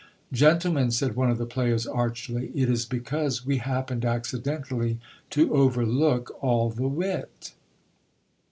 Gentlemen, said one of the players archly, it is because we hap pened accidentally to overlook all the wit.